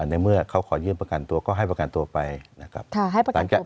ในเมื่อเขาขอเยื่อมประกันตัวก็ให้ประกันตัวไปนะครับ